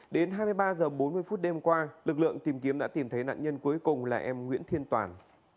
đến hai mươi ba h bốn mươi phút đêm qua lực lượng tìm kiếm đã tìm thấy nạn nhân cuối cùng là em nguyễn thiên toàn